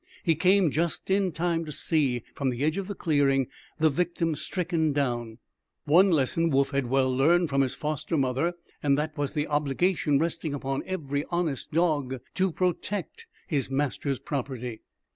He came just in time to see, from the edge of the clearing, the victim stricken down. One lesson Woof had well learned from his foster mother, and that was the obligation resting upon every honest dog to protect his master's property.